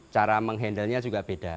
cara menghandlenya juga beda